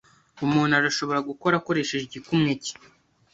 umuntu arashobora gukora akoresheje igikumwe cye.